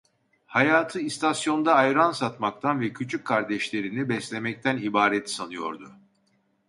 Hayatı istasyonda ayran satmaktan ve küçük kardeşlerini beslemekten ibaret sanıyordu.